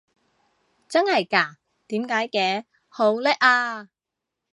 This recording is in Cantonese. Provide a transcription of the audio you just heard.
真係嘎？點解嘅？好叻啊！